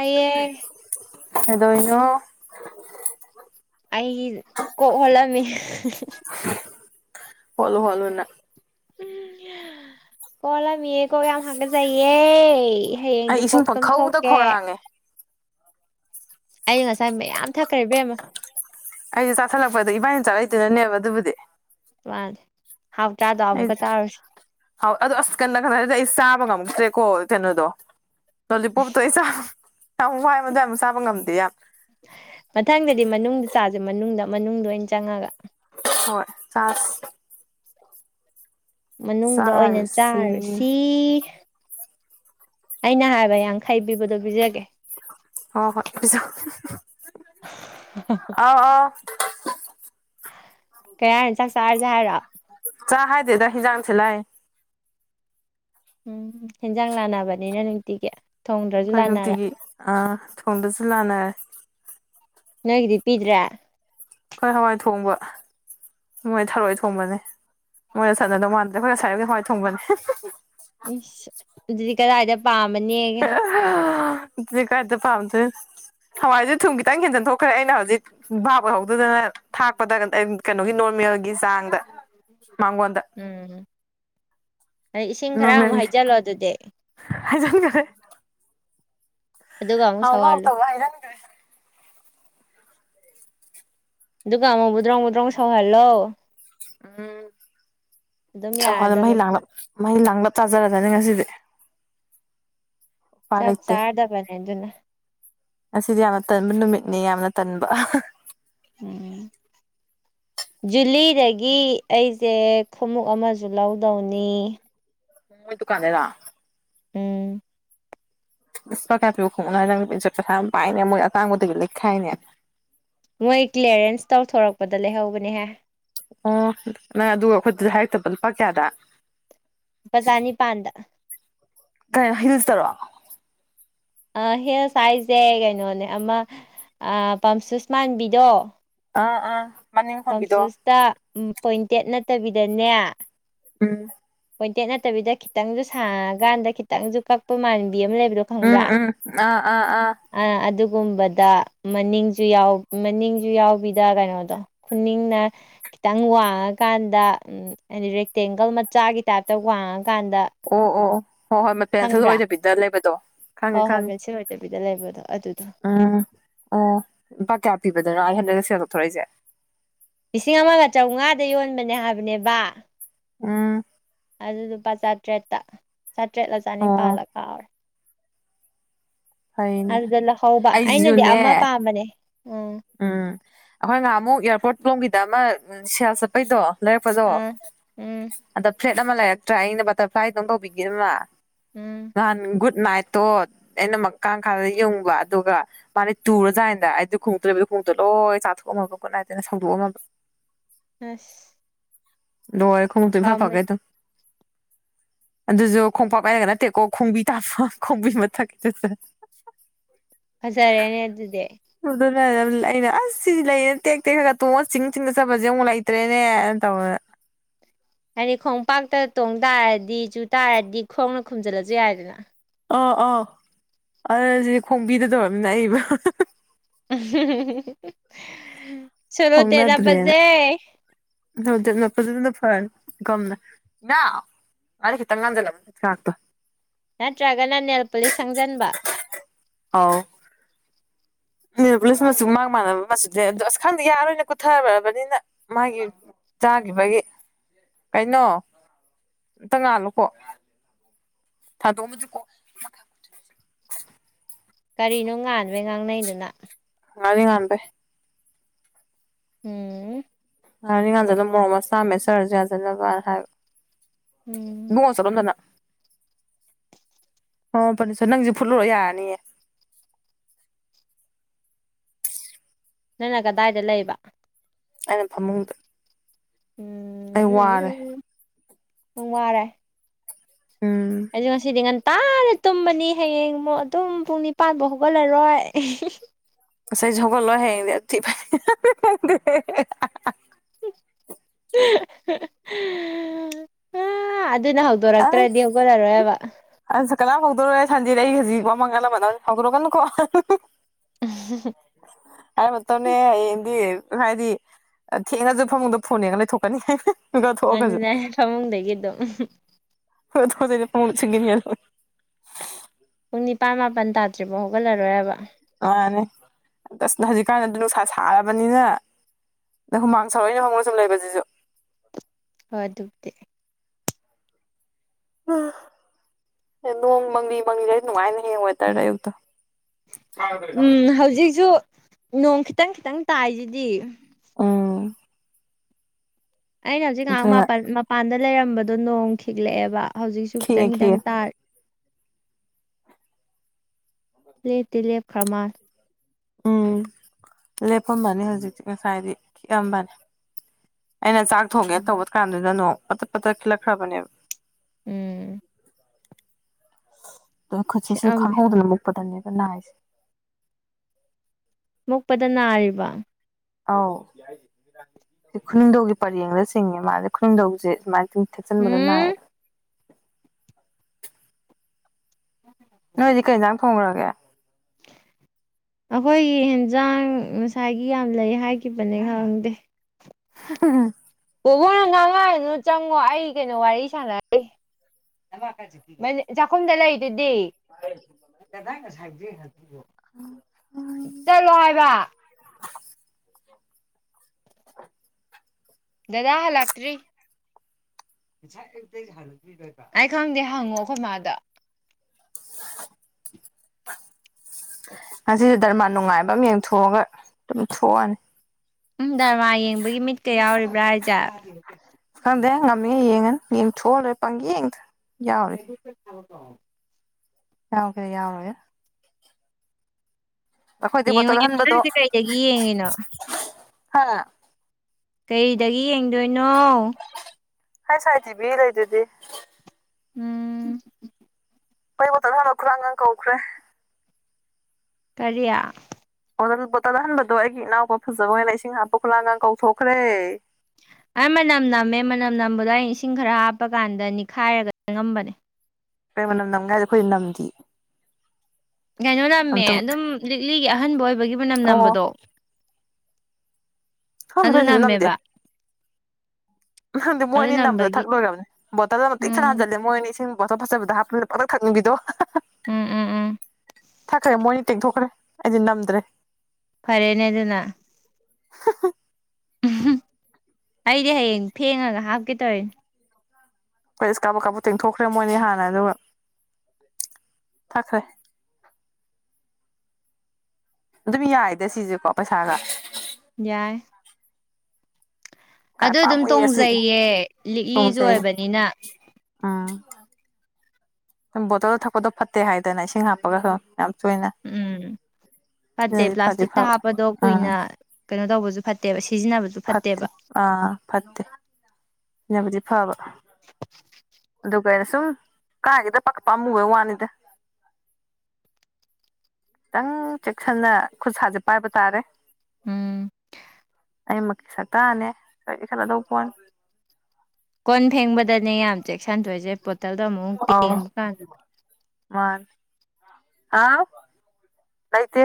ꯍꯥꯏꯌꯦ ꯀꯩꯗꯣꯏꯅꯣ ꯑꯩꯒꯤ ꯀꯣꯛ ꯍꯣꯜꯂꯝꯃꯤ꯫ ꯍꯣꯠꯂꯨ ꯍꯣꯠꯂꯨ ꯅꯪ ꯀꯣꯛ ꯍꯣꯠꯂꯝꯃꯤꯌꯦ ꯀꯣꯛ ꯌꯥꯝ ꯍꯥꯥꯒꯠꯆꯩꯌꯦ ꯑꯩ ꯍꯌꯦꯡꯗꯤ ꯀꯣꯛ ꯏꯁꯤꯡ ꯄꯪꯈꯧꯗ ꯇꯨꯝꯊꯣꯛꯀꯦ ꯈꯧꯔꯥꯡꯉꯦ ꯑꯩ ꯉꯁꯥꯏ ꯃꯌꯥꯝ ꯊꯛꯈ꯭ꯔꯦ ꯏꯕꯦꯝꯃ ꯑꯩꯖꯨ ꯆꯥꯁꯜꯂꯛꯄꯗ ꯏꯕꯥꯅꯤ ꯆꯔꯛꯏꯗꯨꯅꯅꯦꯕ ꯑꯗꯨꯕꯨꯗꯤ ꯌꯥꯗꯦ ꯍꯥꯎꯇꯔꯥ ꯑꯗꯣ ꯑꯃꯨꯛꯀꯥ ꯆꯥꯔꯨꯁꯦ ꯑꯥꯎ ꯑꯗꯣ ꯑꯁ ꯀꯟꯅꯀꯟꯅꯗꯤ ꯑꯩ ꯆꯥꯕ ꯉꯝꯃꯛꯇ꯭ꯔꯦꯀꯣ ꯀꯩꯅꯣꯗꯣ ꯂꯣꯂꯤꯄꯣꯞꯇꯣ ꯑꯩꯥ ꯆꯥꯕ ꯌꯥꯝ ꯋꯥꯏꯌꯦꯕ ꯑꯗꯨ ꯌꯥꯝ ꯆꯥꯕ ꯉꯝꯗꯦ ꯌꯥꯝ ꯃꯊꯪꯗꯗꯤ ꯃꯅꯨꯡꯗ ꯆꯥꯖꯦ ꯃꯅꯨꯡꯗ ꯃꯅꯨꯡꯗ ꯑꯣꯏꯅ ꯆꯪꯉꯒ ꯍꯣꯏ ꯆꯥꯁꯤ ꯃꯅꯨꯡꯗ ꯑꯣꯏꯅ ꯆꯥꯔꯨꯁꯤ ꯆꯥꯔꯨꯁꯤ ꯑꯩꯅ ꯍꯥꯏꯕ ꯌꯥꯡꯈꯩ ꯄꯤꯕꯗꯣ ꯄꯤꯖꯒꯦ ꯍꯣ ꯍꯣꯏ ꯄꯤꯖꯧ ꯑꯥꯎ ꯑꯥꯎ ꯀꯩ ꯍꯥꯏꯅꯣ ꯆꯥꯛ ꯆꯥꯔꯖꯤ ꯍꯥꯏꯔꯣ ꯆꯥ ꯍꯥꯏꯗꯦꯗ ꯍꯤꯟꯖꯥꯡ ꯊꯤꯜ ꯂꯥꯛꯏꯅꯤ ꯎꯝ ꯍꯤꯟꯖꯥꯡ ꯂꯥꯟꯅꯕꯅꯤꯅ ꯅꯨꯡꯇꯤꯒꯤ ꯊꯣꯡꯗ꯭ꯔꯁꯨ ꯑꯈꯣꯏ ꯂꯥꯟꯅꯔꯦ ꯅꯨꯡꯇꯤꯒꯤ ꯑꯥ ꯊꯣꯡꯗꯁꯨ ꯂꯥꯟꯅꯔꯦ ꯅꯣꯏꯒꯤꯗꯤ ꯄꯤꯗ꯭ꯔꯦ ꯑꯈꯣꯏ ꯍꯋꯥꯏ ꯊꯣꯡꯕ ꯃꯣꯏ ꯊꯔꯣꯏ ꯊꯣꯡꯕꯅꯦ ꯃꯣꯏꯗ ꯆꯟꯅꯗꯧ ꯃꯥꯟꯗ‌꯭ꯔꯦ ꯃꯣꯏ ꯉꯁꯥꯏ ꯌꯨꯛꯀꯤ ꯍꯋꯥꯏ ꯊꯣꯡꯕꯅꯦ ꯏꯁ ꯑꯗꯨꯗꯤ ꯀꯗꯥꯏꯗ ꯄꯥꯝꯃꯅꯦꯒꯦ ꯑꯗꯨꯗꯤ ꯀꯔꯥꯏꯗ ꯄꯥꯝꯗꯣꯏꯕ ꯍꯋꯥꯏꯖꯨ ꯊꯨꯝ ꯈꯤꯇꯪ ꯍꯦꯟꯖꯤꯟ ꯊꯣꯛꯈ꯭ꯔꯦ ꯑꯩꯅ ꯍꯧꯖꯤꯛ ꯚꯥꯞ ꯑꯣꯏꯍꯧꯗꯗꯅ ꯊꯥꯛꯄꯗ ꯑꯟ ꯀꯩꯅꯣꯒꯤ ꯅꯣꯔꯃꯦꯜꯒꯤ ꯆꯥꯡ ꯎꯝ ꯑꯩ ꯏꯁꯤꯡ ꯈꯔ ꯑꯃꯨꯛ ꯅꯣꯔꯃꯦꯜꯒꯤ ꯍꯩꯖꯜꯂꯣ ꯑꯗꯨꯗꯤ [unintelligible] ꯑꯗꯨꯒ ꯑꯃꯨꯛ ꯍꯥꯎꯕ ꯁꯧꯍꯜꯂꯨ ꯍꯥꯎꯇꯕꯔ ꯍꯥꯏꯃꯟꯒ꯭ꯔꯦ ꯗꯨꯒ ꯑꯃꯨꯛ ꯕꯨꯗ꯭ꯔꯣꯡ ꯕꯨꯗ꯭ꯔꯣꯡ ꯁꯧꯍꯜꯂꯣ ꯎꯝ ꯑꯗꯨꯝ ꯊꯥꯎꯍꯥꯜꯂ ꯃꯩ ꯌꯥꯔꯗꯕꯅꯤ ꯂꯥꯛꯑꯒ ꯃꯩ ꯂꯥꯡꯃꯥ ꯆꯥꯖꯔꯖꯅꯤ ꯉꯁꯤꯗꯤ ꯎꯄꯥꯏ ꯆꯞ ꯂꯩꯇꯦ ꯆꯥꯔꯗꯕꯅꯦ ꯑꯗꯨꯅ ꯑꯁꯤꯗꯤ ꯌꯥꯝꯅ ꯇꯟꯕ ꯅꯨꯃꯤꯠꯅꯤ ꯌꯥꯝꯅ ꯇꯟꯕ [inaudible] ꯖꯤꯂꯤꯗꯒꯤ ꯑꯩꯖꯦ ꯈꯨꯃꯨꯛ ꯑꯃꯖꯨ ꯂꯧꯗꯧꯅꯤ ꯎꯝ ꯃꯣꯏ ꯗꯨꯀꯥꯟꯗꯩꯔꯥ ꯎꯝ [unintelligible] ꯃꯣꯏ ꯀ꯭ꯂꯤꯌꯥꯔꯦꯟꯁ ꯇꯧꯊꯣꯔꯛꯄꯗ ꯂꯩꯍꯧꯕꯅꯦꯍꯦ ꯑꯣ ꯅꯪ ꯑꯗꯨꯒ ꯑꯈꯣꯏꯗꯖꯨ ꯍꯥꯏꯔꯛꯇꯕ ꯂꯨꯄꯥ ꯀꯌꯥꯗ ꯂꯨꯄꯥ ꯆꯥꯅꯤꯄꯥꯟꯗ ꯀꯩ ꯍꯤꯜꯁꯇꯔꯣ ꯑꯥ ꯍꯦꯜꯁ ꯍꯥꯏꯖꯦ ꯀꯩꯅꯣꯅꯦ ꯑꯃ ꯑ ꯄꯝꯁꯨꯁ ꯃꯥꯟꯕꯤꯗꯣ ꯑꯥ ꯑꯥ ꯃꯅꯤꯡ ꯍꯣꯟꯕꯤꯗꯣ ꯄꯝꯁꯨꯁꯇ ꯎꯝ ꯄꯣꯏꯟꯇꯦꯠ ꯅꯠꯇꯕꯤꯗꯅꯦ ꯎꯝ ꯄꯣꯏꯟꯇꯦꯠ ꯅꯠꯇꯕꯤꯗ ꯈꯤꯇꯪꯖꯨ ꯁꯥꯥꯡꯉꯒꯥꯟꯗ ꯈꯤꯇꯪꯖꯨ ꯀꯛꯄ ꯃꯥꯟꯕꯤ ꯑꯃ ꯂꯩꯕꯗꯣ ꯎꯝ ꯎꯝ ꯑꯥ ꯑꯥ ꯑꯥ ꯑꯥ ꯑꯗꯨꯒꯨꯝꯕꯗ ꯃꯅꯤꯡꯖꯨ ꯌꯥꯎ ꯃꯅꯤꯡꯖꯨ ꯌꯥꯎꯕꯤꯗ ꯀꯩꯅꯣꯗꯣ ꯈꯨꯅꯤꯡꯅ ꯈꯤꯇꯪ ꯋꯥꯡꯉꯀꯥꯟꯗ ꯎꯝ ꯔꯦꯛꯇꯦꯡꯒꯜ ꯃꯠ ꯆꯥꯒꯤ ꯇꯥꯏꯞꯇ ꯋꯥꯡꯉꯀꯥꯟꯗ ꯑꯣ ꯑꯣ ꯑꯣ ꯍꯣꯏ ꯍꯣꯏ ꯃꯠ ꯄꯦꯟꯁꯤꯜ ꯈꯪꯕ꯭ꯔꯥ ꯑꯣꯏꯗꯕꯤꯗ ꯂꯩꯕꯗꯣ ꯈꯪꯉꯦ ꯍꯣꯏ ꯍꯣꯏ ꯈꯪꯉꯦ ꯄꯦꯟꯁꯤꯜ ꯑꯣꯏꯗꯕꯤꯗ ꯂꯩꯕꯗꯣ ꯑꯗꯨꯗꯣ ꯎꯝ ꯑꯣ ꯂꯄꯥꯥꯛ ꯀꯌꯥ ꯄꯤꯕꯗꯅꯣ ꯑꯩ ꯍꯟꯗꯛꯛꯇ ꯁꯦꯜ ꯇꯣꯛꯊꯣꯔꯛꯏꯁꯦ ꯂꯤꯁꯤꯡ ꯑꯃꯒ ꯆꯥꯝꯃꯉꯥꯗ ꯌꯣꯟꯕꯅꯦ ꯍꯥꯏꯕꯅꯦꯕ ꯎꯝ ꯑꯗꯨꯗꯨꯄꯥ ꯆꯥꯇ꯭ꯔꯦꯠꯇ ꯆꯥꯇ꯭ꯔꯦꯠꯂ ꯑꯣ ꯆꯅꯤꯄꯥꯥꯜꯂꯒ ꯀꯥꯎꯔꯦ ꯐꯩꯅꯦ ꯑꯗꯨꯗ ꯂꯧꯍꯧꯕ ꯑꯩꯅꯗꯤ ꯑꯩꯁꯤꯁꯨꯅꯦ ꯑꯃ ꯄꯥꯝꯕꯅꯦ ꯎꯝ ꯎꯝ ꯑꯩꯈꯣꯏ ꯉꯍꯥꯃꯨꯛ ꯏꯌꯥꯔꯄꯣꯔꯠꯂꯣꯝꯒꯤꯗ ꯑꯃ ꯁꯦꯜ ꯆꯠꯄꯩꯗꯣ ꯂꯩꯔꯛꯄꯗꯣ ꯑꯥ ꯎꯝ ꯑꯗ ꯐ꯭ꯂꯦꯠ ꯑꯃ ꯂꯩꯔꯛꯇ꯭ꯔꯥ ꯑꯩꯅ ꯕꯇꯔꯐ꯭ꯂꯥꯏꯗꯝ ꯇꯧꯕꯤꯒꯗꯃ ꯎꯝ ꯅꯥꯟ ꯅꯥꯏꯠꯇꯣ ꯑꯩꯅꯃꯛ ꯀꯥꯡꯈꯥꯗ ꯌꯨꯡꯕ ꯑꯗꯨꯒ ꯃꯥꯅꯦ ꯇꯨꯔꯗꯥꯏꯅꯗ ꯑꯩꯗ ꯇ꯭ꯔꯕꯗꯤꯣꯡꯗꯣ ꯂꯣꯏ ꯆꯥꯊꯣꯛꯑꯝꯃꯕ ꯈꯣꯠꯅꯏꯗꯅ ꯁꯪꯗꯣꯛꯑꯝꯃꯕ ꯑ ꯂ ꯑꯩꯈꯣꯏꯛꯇꯔꯤꯚꯞ ꯐꯒꯥꯏ ꯇꯣ ꯑꯗꯨꯁꯨ ꯈꯣꯡꯄꯥꯛ ꯍꯥꯏꯔꯒ ꯅꯠꯇꯦꯀꯣ ꯈꯣꯡꯕꯤ ꯇꯥꯄ ꯈꯣꯡꯕꯤ ꯃꯊꯛꯀꯤꯗꯨ ꯐꯖꯔꯦꯅꯦ ꯑꯗꯨꯗꯤ ꯑꯗꯨꯅ ꯑꯗꯨ ꯂꯩꯩꯅ ꯑꯁ ꯁꯤꯗꯤ ꯂꯩꯌꯦꯅ ꯇꯦꯛ ꯇꯦꯛ ꯈꯒ ꯇꯣꯡꯉꯒ ꯆꯤꯡ ꯆꯤꯡꯉ ꯆꯠꯄꯁꯦ ꯑꯃꯨꯛ ꯂꯩꯇ꯭ꯔꯦꯅꯦꯅ ꯇꯧꯕꯗ ꯍꯥꯏꯗꯤ ꯈꯣꯡꯄꯥꯛꯇ ꯇꯣꯡ ꯇꯥꯔꯗꯤ ꯆꯨ ꯇꯥꯔꯗꯤ ꯈꯣꯡꯅ ꯈꯨꯝꯖꯤꯜꯂꯁꯨ ꯌꯥꯏꯗꯅ ꯑꯥ ꯑꯥ ꯑꯗꯨ ꯁꯤ ꯈꯣꯡꯕꯤꯗ ꯇꯧꯔꯝꯅ ꯑꯩꯕ [unintelligible] ꯇꯦꯠ ꯍꯅꯗ꯭ꯔꯔꯤ ꯍꯥꯞꯄꯁꯦ ꯍꯧꯖꯤꯠꯅꯄꯗꯨꯗꯨꯅ ꯐꯔꯅꯤꯅ ꯑꯗ ꯇꯪꯥꯟꯗꯂꯥꯛ ꯅꯠꯇ꯭ꯔꯒꯅ ꯅꯦꯜ ꯄꯨꯂꯤ ꯁꯪꯖꯟꯕ ꯍꯥꯎ ꯄꯨꯂꯤꯁ ꯃꯆꯨ ꯃꯥꯥꯡ ꯃꯥꯟꯅꯕ ꯃꯆꯨꯗꯦ ꯑꯗꯣ ꯑꯁ ꯈꯪꯗ ꯌꯥꯔꯣꯏꯅ ꯀꯨꯊꯔꯔꯕꯅꯤꯅ ꯃꯥꯒꯤ ꯆꯥꯈꯤꯕꯒꯤ ꯀꯩꯅꯣ ꯑꯝꯇ ꯉꯥꯜꯂꯨꯀꯣ [unintelligible] ꯀꯔꯤꯅꯣ ꯉꯥꯥꯟꯕꯣꯏ ꯉꯥꯡꯅꯩꯗꯨꯅ ꯑꯅꯤ ꯉꯥꯟꯗꯦ ꯎꯝ ꯉ ꯅꯤꯡ ꯉꯥꯟꯖꯜꯂ ꯃꯣꯔꯣꯛ ꯑꯃ ꯆꯥꯝꯃꯦ ꯁꯔꯁꯨꯦ ꯌꯥꯟꯁꯤꯅꯕꯅ ꯍꯥꯏꯕ ꯎꯝ ꯏꯕꯨꯡꯉꯣ ꯆꯠꯂꯣꯝꯗꯅ ꯑꯣ ꯐꯅꯤꯁ ꯅꯪꯁꯦ ꯐꯨꯂꯨꯔ ꯌꯥꯔꯅꯤꯌꯦ ꯅꯪꯅ ꯀꯗꯥꯏꯗ ꯂꯩꯕ ꯑꯩꯅ ꯐꯃꯨꯡꯗ ꯑꯩ ꯋꯥꯔꯦ ꯅꯨꯡꯉꯔꯦ ꯎꯝ ꯑꯖꯤ ꯉꯁꯁꯤꯗꯤꯉꯅ ꯇꯥꯔꯦ ꯇꯨꯝꯕꯅꯤ ꯍꯌꯦꯡ ꯑꯃꯨꯛ ꯑꯗꯨꯝ ꯄꯨꯡ ꯅꯤꯄꯥꯟ ꯐꯥꯎ ꯍꯧꯒꯠꯂꯔꯣꯏ ꯁꯥꯏ ꯒꯣ ꯂꯣꯏ ꯍꯦꯗꯤꯤ ꯐ ꯑ ꯑꯗꯨꯗꯅ ꯍ ꯑꯁ ꯗꯔꯛꯇ꯭ꯔꯗꯤ ꯍꯒ ꯇꯔꯣꯏꯦꯕ ꯑꯁ ꯀꯅꯥ ꯍꯧꯗꯣꯔꯦ ꯁꯟꯗꯦꯗ ꯑꯩ ꯍꯧꯖꯤꯛ ꯋꯥ ꯃꯃꯥꯡꯜ ꯑꯃꯃꯟ ꯍꯧꯗꯣꯔꯛꯀꯅꯨꯀꯣ [unintelligible] ꯍꯥꯏ ꯠꯇꯅꯦ ꯏꯗꯤ ꯍꯥꯏꯗꯤ ꯊꯦꯡꯅꯁꯨ ꯐꯃꯨꯡꯗ ꯐꯣꯟ ꯌꯦꯦꯛꯉꯒ ꯂꯩꯊꯣꯛꯀꯅꯤ ꯃꯤꯀꯞ ꯊꯣꯛꯑꯒꯁꯨ ꯑꯗ ꯐꯃꯨꯡꯗꯒ ꯑꯗꯨꯣ ꯑꯣꯗꯗꯤ ꯐꯥꯎꯅ ꯆꯪꯒꯦꯅꯤ ꯌꯥ ꯄꯨꯡ ꯅꯤꯄꯥꯟ ꯃꯥꯄꯟ ꯇꯥꯗ꯭ꯔꯤꯐꯥꯎ ꯍꯧꯒꯠꯂꯔꯣꯏꯕ ꯃꯥꯅꯦꯁ ꯍꯧꯖꯤꯛꯀꯥꯟꯗ ꯑꯗꯨ ꯅꯨꯡꯁꯥ ꯁꯥꯔꯕꯅꯤꯅ ꯑꯗ ꯍꯨꯃꯥꯡ ꯁꯥꯎꯏꯅ ꯍꯧꯣꯡꯅ ꯁꯨꯝ ꯂꯩꯕꯁꯤꯁꯨ ꯍꯣꯏ ꯑꯗꯨꯗꯤ ꯅꯣꯡ ꯃꯪꯂꯤ ꯃꯪꯂꯤꯒꯩ ꯅꯨꯡꯉꯥꯏꯅ ꯍꯡꯉ ꯍꯥꯏꯇꯥꯔꯦ ꯑꯌꯨꯛꯇ ꯎꯝ ꯍꯧꯖꯤꯛꯁꯨ ꯅꯣꯡ ꯈꯤꯇꯪ ꯈꯤꯇꯪ ꯇꯥꯏꯁꯤꯗꯤ ꯎꯥ ꯑꯩꯅ ꯍꯧꯖꯤꯛ ꯉꯥꯏꯍꯥꯛ ꯑꯗꯨꯅ ꯃꯄꯥꯟ ꯃꯄꯥꯟꯗ ꯂꯩꯔꯝꯕꯗꯣ ꯅꯣꯡ ꯈꯤꯛꯂꯛꯑꯦꯕ ꯍꯧꯖꯤꯛꯁꯨ ꯈꯤꯛꯑꯦ ꯈꯤꯇꯪ ꯈꯤꯇꯪ ꯈꯤꯛꯑꯦ ꯇꯥꯔ ꯄ꯭ꯂꯦ ꯇꯂꯦꯞ ꯐꯔꯃꯥꯟ ꯎꯝ ꯂꯦꯞꯄꯝꯕꯅꯤ ꯍꯧꯖꯤꯛꯇꯤ ꯉꯁꯥꯏꯗꯤ ꯈꯤꯑꯝꯕꯅꯤ ꯑꯩꯅ ꯆꯥꯛ ꯊꯣꯡꯉꯦꯅ ꯇꯧꯕ ꯀꯥꯟꯗꯨꯗꯅꯣ ꯄꯠ ꯄꯠꯇꯠ ꯈꯤꯜꯂꯛꯈ꯭ꯔꯕꯅꯦꯕ ꯎꯝ ꯑꯗꯨꯣꯏ ꯈꯨꯠꯁꯦ ꯁꯤ ꯁꯛꯑꯝꯃꯦ ꯈꯪꯍꯧꯗꯅ ꯃꯨꯛꯄꯗꯅꯦꯕ ꯅꯥꯏꯁꯦ ꯃꯨꯛꯄꯗ ꯅꯥꯔꯤꯕ ꯑꯧ ꯈꯨꯅꯨꯡꯗꯧꯒꯤ ꯄꯔꯦꯡꯗ ꯆꯤꯡꯉꯦ ꯃꯥꯗꯤ ꯈꯨꯅꯨꯡꯗꯧꯁꯦ ꯁꯨꯃꯥꯏꯅ ꯊꯦꯠꯆꯟꯕꯗ ꯎꯝ ꯅꯥꯏꯌꯦꯕ ꯅꯣꯏꯗꯤ ꯀꯩꯗꯪ ꯐꯣꯡꯈ꯭ꯔꯒꯦ ꯑꯩꯈꯣꯏꯒꯤ ꯌꯦꯟꯖꯥꯡ ꯉꯁꯥꯏꯒꯤ ꯌꯥꯝ ꯂꯩ ꯍꯥꯏꯈꯤꯕꯅꯦ ꯈꯪꯪꯗꯦ ꯎꯝ ꯕꯣꯅ ꯉ ꯉꯥꯏꯅꯣ ꯆꯪꯉꯣ ꯑꯩ ꯀꯩꯅꯣ ꯋꯥꯔꯤ ꯁꯥꯟꯅꯦ ꯆꯥꯛꯈꯨꯝꯗ ꯂꯩꯔꯤꯗꯨꯗꯤ [inaudible] ꯗꯥꯏ ꯆꯠꯂꯣ ꯍꯥꯏꯕ ꯗꯗꯥ ꯂꯥꯛꯇ꯭ꯔꯤ ꯑꯩ ꯈꯪꯗꯦ ꯍꯪꯉꯣ ꯑꯩꯈꯣꯏ ꯃꯥꯗ ꯉꯁꯤꯁꯦ ꯗꯔꯃꯥ ꯅꯨꯡꯉꯥꯏꯕ ꯑꯃ ꯌꯦꯡꯊꯣꯛꯑꯒ ꯑꯗꯨꯝ ꯊꯣꯛꯑꯅꯤ ꯎꯝ ꯗꯔꯃꯥ ꯌꯦꯡꯕꯒꯤ ꯃꯤꯠꯀ ꯌꯥꯎꯔꯤꯕ꯭ꯔꯥ ꯍꯥꯏꯁꯦ ꯀꯗ ꯉꯝꯒ ꯌꯦꯡꯉ ꯌꯦ ꯆꯣꯜ꯭ꯔꯦ ꯄꯪ ꯌꯦꯡ [inaudible] ꯌꯥꯎꯒ꯭ꯔ ꯌꯥꯎꯒ ꯑꯩꯈꯣꯏꯗꯤ ꯌꯦꯡꯉꯨ ꯕꯣꯇꯜ ꯌꯦꯡꯉꯨ ꯍꯟꯕꯗꯣ ꯅꯪꯁꯦ ꯀꯩꯗꯒꯤ ꯌꯦꯡꯉꯤꯅꯣ ꯍꯥ ꯀꯩꯗꯒꯤ ꯌꯦꯡꯗꯣꯏꯅꯣ ꯍꯥꯏ ꯁꯥꯏ ꯇꯤꯕꯤ ꯂꯩꯗꯨꯗꯤ ꯎꯝ ꯃꯩ ꯕꯇꯜ ꯍꯜꯂꯛꯈ꯭ꯔꯥ ꯑꯉꯥꯡ ꯀꯧꯈ꯭ꯔꯦ ꯀꯔꯤꯌꯥ ꯑꯣꯇ ꯕꯣꯇꯜ ꯑꯍꯟꯕꯗꯣ ꯑꯩꯒꯤ ꯏꯅꯥꯎꯄꯥ ꯐꯖꯕ ꯑꯣꯏꯅ ꯏꯁꯤꯡ ꯍꯥꯞꯄ ꯈꯨꯠꯂꯥꯡꯒ ꯀꯧꯊꯣꯛꯈ꯭ꯔꯦ ꯑꯩ ꯃꯅꯝ ꯅꯝꯃꯦ ꯃꯅꯝ ꯅꯝꯕꯗꯣ ꯑꯩꯅ ꯏꯁꯤꯡ ꯈꯔ ꯍꯥꯞꯄ ꯀꯥꯟꯗ ꯅꯤꯈꯥꯏꯔꯒ ꯉꯝꯕꯅꯦ ꯀꯩꯩꯅꯣ ꯅꯝ ꯅꯝꯒꯥꯏꯗꯦ ꯑꯩꯈꯣꯏꯗꯤ ꯅꯝꯗꯤ ꯀꯩꯅꯣ ꯅꯝꯃꯦ ꯑꯝꯇ ꯑꯗꯨꯝ ꯂꯤꯛꯂꯤꯒꯤ ꯑꯍꯟꯕ ꯑꯣꯏꯕꯒꯤ ꯃꯅꯝ ꯑꯣ ꯅꯝꯕꯗꯣ ꯈꯪꯗꯦ ꯑꯗꯨ ꯑꯩꯈꯣꯏꯗꯤ ꯑꯗꯨꯝ ꯅꯝꯃꯦꯕ ꯝꯗꯤ ꯑꯗꯨ ꯃꯣꯏꯅ ꯅꯝꯕꯗ ꯅꯝꯕꯒꯤ ꯊꯛ ꯂꯣꯏꯔꯕꯅꯤ ꯇꯣꯜꯗ ꯑꯃ ꯃꯇꯛꯅ ꯎꯝ ꯍꯟꯜꯂ ꯃꯣꯏꯅꯤ ꯏꯁꯤꯡ ꯕꯣꯇꯜ ꯐꯖꯕꯗ ꯍꯥꯞꯄ ꯅꯣꯏꯅ ꯄꯇꯛ ꯊꯛꯅꯤꯡꯕꯤꯗꯣ ꯎꯝ ꯎꯝ ꯎꯝ ꯊꯛꯈ꯭ꯔꯦ ꯃꯣꯏꯅꯤ ꯇꯦꯡꯊꯣꯛꯈ꯭ꯔꯦ ꯑꯗꯨ ꯅꯝꯗ꯭ꯔꯦ ꯐꯔꯦꯅꯦ ꯑꯗꯨꯅ [unintelligible] ꯑꯩꯗꯤ ꯍꯌꯦꯡ ꯐꯦꯡꯉꯒ ꯍꯥꯞꯀꯦ ꯇꯧꯔꯤꯅꯦ ꯑꯩꯈꯣꯏ ꯏꯁ ꯀꯥꯞꯕ ꯀꯥꯞꯄ ꯇꯦꯡꯊꯣꯛꯈ꯭ꯔꯦ ꯃꯣꯏꯅꯤ ꯍꯥꯟꯅ ꯑꯗꯨꯒ ꯊꯛꯈ꯭ꯔꯦ ꯑꯗꯨꯝ ꯌꯥꯏꯗ ꯁꯤꯁꯦꯀꯣ ꯄꯩꯁꯥꯒ ꯌꯥꯏ ꯀꯥꯏ ꯑꯗꯨ ꯑꯗꯨꯝ ꯄꯥꯝꯃꯨꯏꯌꯦ ꯑꯁꯤ ꯇꯣꯡꯖꯩꯌꯦ ꯂꯤꯛꯂꯤꯁꯨ ꯇꯣꯡꯖꯩ ꯑꯣꯏꯕꯅꯤꯅ ꯎꯝ ꯕꯣꯇꯜꯗ ꯊꯛꯄꯗꯣ ꯐꯠꯇꯦ ꯍꯥꯏꯗꯅ ꯏꯁꯤꯡ ꯍꯥꯞꯄꯒꯁꯨ ꯌꯥꯝ ꯊꯣꯏꯅ ꯎꯝ ꯐꯠꯇꯦ ꯄ꯭ꯂꯥꯁꯇꯤꯛꯇ ꯐꯕ ꯍꯥꯞꯄꯗꯣ ꯎꯝ ꯀꯨꯏꯅ ꯀꯩꯅꯣ ꯇꯧꯕꯁꯨ ꯐꯠꯇꯦꯕ ꯁꯤꯖꯤꯟꯅꯕꯁꯨ ꯐꯠꯇꯦ ꯐꯠꯇꯦꯕ ꯑꯥ ꯐꯠꯇꯦ ꯅꯩꯅꯕꯗꯤ ꯐꯥꯕ ꯑꯗꯨꯒ ꯀꯩꯅ ꯁꯨꯝ ꯀꯥꯏꯒꯤꯗ ꯄꯛꯄꯝꯃꯨꯕꯩ ꯋꯥꯅꯤꯗ ꯈꯤꯇꯪ ꯆꯦꯛꯁꯤꯟꯅ ꯈꯨꯠꯁꯥꯁꯦ ꯄꯥꯏꯕ ꯇꯥꯔꯦ ꯎꯝ ꯑꯩꯃꯛꯀꯤ ꯁꯛꯇꯥꯛꯔꯅꯦ ꯁꯣꯏ ꯂꯤꯈꯠꯂꯗꯧꯕ ꯄꯣꯟ ꯀꯣꯟ ꯐꯦꯡꯕꯗꯅꯦ ꯌꯥꯝ ꯆꯦꯛꯁꯤꯟꯗꯣꯏꯁꯦ ꯕꯣꯇꯜꯗꯣ ꯑꯃꯨꯛ ꯇꯦꯡꯕ ꯀꯥꯟꯗ ꯃꯥꯥꯟꯅꯦ ꯍꯥꯎ ꯂꯩꯇꯦ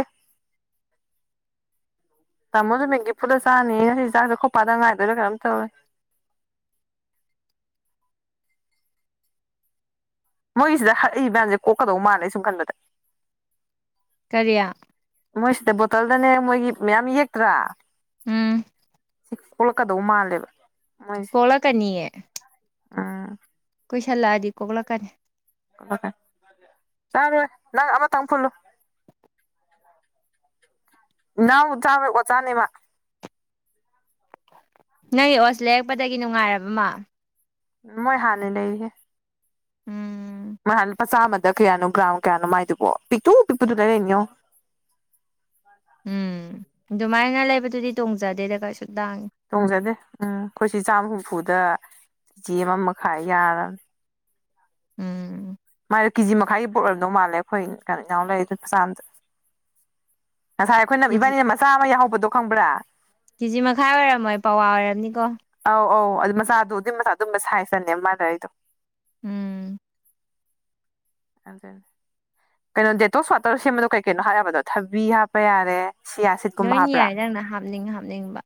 ꯇꯥꯃꯣꯁꯨ ꯃꯤꯡꯒꯤꯐꯨꯗ ꯆꯥꯔꯅꯤ ꯉꯁꯤ ꯆꯤꯟꯥꯡꯁꯦ ꯈꯣꯄꯗ ꯉꯥꯏꯗꯣꯏꯅ ꯀꯝ ꯇꯧꯔꯦ ꯃꯣꯏꯒꯤꯁꯤꯗ ꯍꯛꯏ ꯃꯌꯥꯝꯁꯦ ꯀꯣꯛꯀꯗꯧ ꯃꯥꯥꯟꯂꯦ ꯁꯨꯝ ꯈꯟꯕꯗ ꯀꯔꯤꯌꯥ ꯃꯣꯏꯁꯤꯗ ꯕꯣꯇꯜꯗꯅꯦ ꯃꯣꯏꯒꯤ ꯃꯌꯥꯝ ꯌꯦꯛꯇ꯭ꯔꯥ ꯎꯝ ꯀꯣꯛꯜꯂꯛꯀꯗꯧ ꯃꯥꯜꯂꯦꯕ ꯃꯣꯏꯁꯦ ꯍꯂ ꯀꯅꯤꯑꯦ [unintelligible] ꯎꯝ ꯀꯣꯏꯁꯜꯂꯛꯑꯗꯤ ꯀꯣꯛꯂꯛꯀꯅꯤ ꯇꯔꯦ ꯑꯃ ꯇꯝꯐꯨꯜꯂꯨ [unintelligible] ꯅꯅꯥ ꯆꯥ ꯑꯣ ꯆꯥꯅꯤꯃ [unintelligible] ꯅꯪꯒꯤ ꯑꯣꯁ ꯂꯩꯔꯛꯄꯗꯒꯤ ꯅꯨꯡꯉꯥꯏꯔꯕꯃ ꯃꯣꯏ ꯍꯥꯟ ꯂꯩꯍꯦ ꯎꯝ ꯅꯥꯟ ꯂꯨꯄꯥ ꯆꯝꯆꯥ ꯑꯃꯗ ꯀꯌꯥꯅꯣ ꯒ꯭ꯔꯥꯎꯝ ꯀꯌꯥꯅꯣ ꯃꯥꯏꯗꯨꯕꯣ ꯄꯤꯛꯇꯨ ꯄꯤꯛꯄꯗꯨꯅ ꯂꯩꯔꯤꯅꯤꯉꯣ ꯎꯝ ꯑꯗꯨꯃꯥꯏꯅ ꯂꯩꯕꯗꯨꯗꯤ ꯇꯣꯡꯖꯗꯦꯗ ꯀꯩꯁꯨ ꯇꯥꯡꯉꯤ ꯇꯣꯡꯖꯗꯦ ꯎꯝ ꯑꯩꯈꯣꯏ ꯁꯤ ꯆꯥꯝꯃ ꯍꯨꯝꯐꯨꯗ ꯀꯦꯖꯤ ꯑꯃ ꯃꯈꯥꯏ ꯌꯥꯔꯕꯅꯤ ꯎꯝ ꯃꯥꯥꯏꯣ ꯀꯦꯖꯤ ꯃꯈꯥꯏꯒꯤ ꯄꯣꯠꯂꯦꯝꯝꯗꯧ ꯃꯥꯜꯂꯦ ꯑꯩꯈꯣꯏ ꯀꯩꯅꯣ ꯏꯅꯥꯎ ꯂꯩ ꯑꯗꯨ ꯆꯥꯝꯗ ꯉꯁꯥꯏ ꯑꯩꯈꯣꯏꯅ ꯀꯦꯖꯤ ꯏꯕꯥꯅꯤꯅ ꯃꯆꯥ ꯑꯃ ꯌꯥꯎꯍꯧꯕꯗꯣ ꯈꯪꯕ꯭ꯔꯥ ꯀꯦꯖꯤ ꯃꯈꯥꯏ ꯑꯣꯏꯔꯝꯃꯣꯏ ꯄꯋꯥ ꯑꯣꯏꯔꯝꯅꯤꯀꯣ ꯑꯧ ꯑꯧ ꯑꯗꯨ ꯃꯆꯥꯗꯣ ꯑꯗꯨꯝ ꯃꯆꯥ ꯑꯗꯨꯝꯕ ꯁꯥꯏ ꯆꯅꯦ ꯃꯥꯗ ꯑꯩꯗꯣ ꯎꯝ ꯑꯗꯨ ꯀꯩꯅꯣ ꯗꯦꯇꯣꯁ ꯋꯥꯇꯔ ꯁꯦꯝꯕꯗꯣ ꯀꯩ ꯀꯩꯅꯣ ꯍꯥꯏꯔꯕꯗꯣ ꯊꯕꯤ ꯍꯥꯞꯄ ꯌꯥꯔꯦ ꯁꯤꯌꯥ ꯁꯤꯠꯀꯨꯝꯕ ꯅꯣꯏ ꯍꯥꯞꯄ꯭ꯔꯥ ꯌꯥꯏ ꯅꯪꯅ ꯍꯥꯞꯅꯤꯡ ꯍꯥꯞꯅꯤꯡꯕ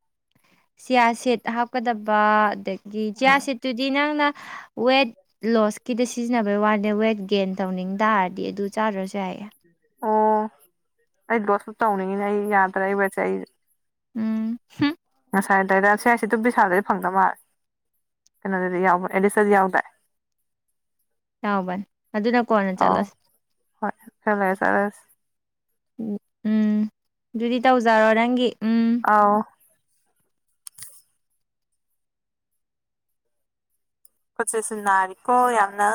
ꯆꯤꯌꯥ ꯁꯦꯠ ꯍꯥꯞꯀꯗꯕ ꯑꯗꯩ ꯒꯤ ꯆꯤꯌꯥ ꯑ ꯁꯤꯠꯇꯨꯗꯤ ꯅꯪꯅ ꯋꯦꯠ ꯂꯣꯁꯀꯤꯗ ꯁꯤꯖꯤꯟꯅꯕꯩ ꯋꯥꯅꯦ ꯋꯦꯠ ꯒꯦꯟ ꯇꯧꯅꯤꯡ ꯇꯥꯔꯗꯤ ꯑꯗꯨ ꯆꯥꯗꯔꯁꯨ ꯌꯥꯏꯌꯦ ꯑꯣ ꯑꯩ ꯂꯣ ꯁꯞ ꯇꯧꯅꯤꯡꯉꯤꯅꯦ ꯑꯩ ꯌꯥꯗ꯭ꯔꯏꯕꯠꯁꯦ ꯑꯩ ꯎꯝ ꯍꯨꯝ ꯉꯁꯥꯏꯗꯏꯗ ꯁꯤ ꯍꯥꯏꯁꯤ ꯑꯗꯨꯝ ꯄꯩꯁꯥꯗꯩ ꯐꯪꯗ ꯃꯥꯜ [inaudible] ꯀꯩꯅꯗꯤ ꯌꯥ ꯑꯦꯟꯗꯤꯁ ꯌꯥꯎꯕꯗ [unintelligible] ꯌꯥꯎꯕꯅꯤ ꯑꯗꯨꯅ ꯀꯣꯟꯅ ꯑꯧ ꯆꯠꯂꯁꯤ ꯍꯣꯏ ꯈꯔꯥ ꯂꯩꯔꯥ ꯆꯠꯂꯥꯁꯤ ꯎꯝ ꯑꯗꯨꯗꯤ ꯇꯧꯖꯔꯣ ꯅꯪꯒꯤ ꯎꯝ ꯑꯥꯎ ꯈꯨꯠꯁꯤꯁꯨ ꯅꯥꯔꯤꯀꯣ ꯌꯥꯝꯅꯥ